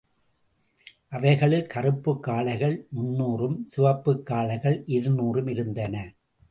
அவைகளில் கறுப்புக் காளைகள் முந்நூறும், சிவப்புக் காளைகள் இரு நூறும் இருந்தன.